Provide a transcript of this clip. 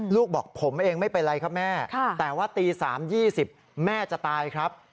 ลูกบอกผมเองไม่เป็นไรครับแม่แต่ว่าตี๓๒๐แม่จะตายครับ